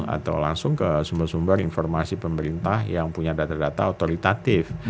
atau langsung ke sumber sumber informasi pemerintah yang punya data data otoritatif